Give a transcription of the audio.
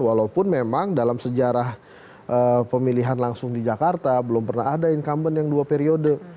walaupun memang dalam sejarah pemilihan langsung di jakarta belum pernah ada incumbent yang dua periode